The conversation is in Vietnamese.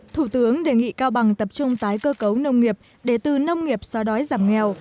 thủ tướng đề nghị cao bằng tập trung tái cơ cấu nông nghiệp để từ nông nghiệp xóa đói giảm nghèo